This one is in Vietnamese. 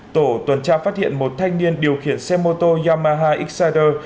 tổ tuần tra phát hiện một thanh niên điều khiển xe mô tô yamaha excider